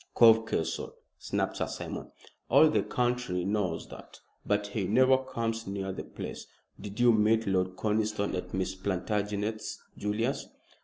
"Cove Castle," snapped Sir Simon. "All the county knows that. But he never comes near the place. Did you meet Lord Conniston at Miss Plantagenet's, Julius?"